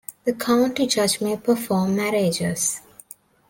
The county judge may perform marriages.